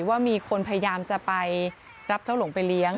ว่ามีคนพยายามจะไปรับเจ้าหลงไปเลี้ยง